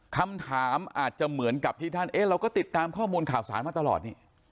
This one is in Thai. คำถามอาจจะเหมือนกับที่ท่านเอ๊ะเราก็ติดตามข้อมูลข่าวสารมาตลอดนี่